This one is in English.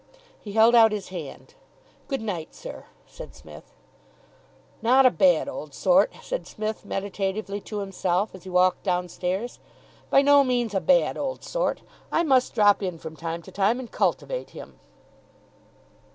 He held out his hand. "Good night, sir," said Psmith. "Not a bad old sort," said Psmith meditatively to himself, as he walked downstairs. "By no means a bad old sort. I must drop in from time to time and cultivate him."